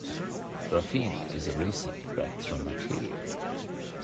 Graphene is a recent break-through material.